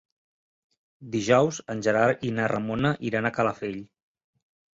Dijous en Gerard i na Ramona iran a Calafell.